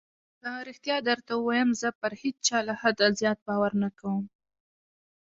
که رښتيا درته ووايم زه پر هېچا له حده زيات باور نه کوم.